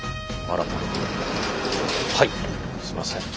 はいすいません。